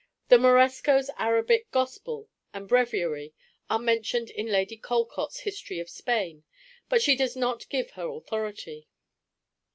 The Moresco's Arabic Gospel and Breviary are mentioned in Lady Calcott's History of Spain, but she does not give her authority.